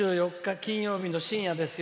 金曜日の深夜ですよ。